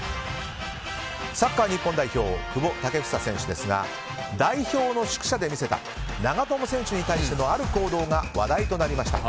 サッカー日本代表久保建英選手ですが代表の宿舎で見せた長友選手に対してのある行動が話題となりました。